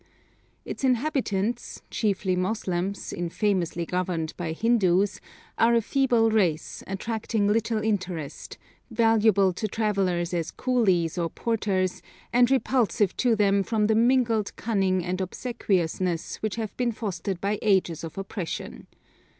Its inhabitants, chiefly Moslems, infamously governed by Hindus, are a feeble race, attracting little interest, valuable to travellers as 'coolies' or porters, and repulsive to them from the mingled cunning and obsequiousness which have been fostered by ages of oppression.